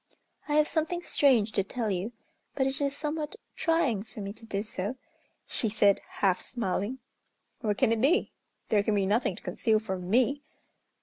"I have something strange to tell you, but it is somewhat trying for me to do so," she said, half smiling. "What can it be? There can be nothing to conceal from me!"